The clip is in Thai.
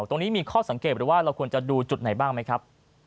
ตรงนี้มีข้อสังเกตหรือว่าเราควรจะดูจุดไหนบ้างไหมครับ